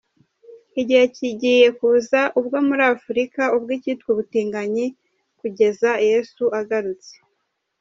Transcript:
Igihe kigiye kuza ubwo muri Afurika ubwo icyitwa ubutinganyi kugeza Yesu agarutse.